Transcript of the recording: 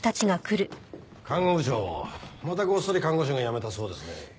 看護部長またごっそり看護師が辞めたそうですね。